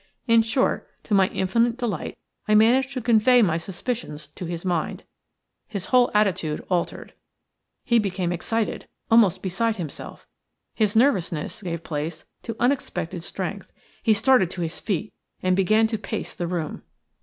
In short, to my infinite delight I managed to convey my suspicions to his mind. His whole attitude altered; he became excited, almost beside himself. His nervousness gave place to unexpected strength. He started to his feet and began to pace the room.